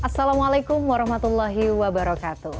assalamualaikum warahmatullahi wabarakatuh